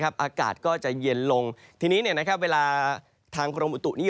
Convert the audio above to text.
อากาศก็จะเย็นลงทีนี้เนี่ยนะครับเวลาทางพรมอุตุนี้